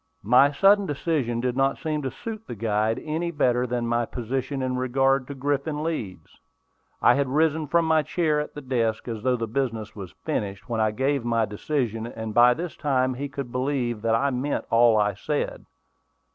My sudden decision did not seem to suit the guide any better than my position in regard to Griffin Leeds. I had risen from my chair at the desk, as though the business was finished, when I gave my decision; and by this time he could believe that I meant all I said.